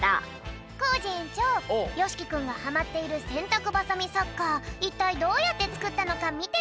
コージえんちょうよしきくんがハマっているせんたくバサミサッカーいったいどうやってつくったのかみてみよう！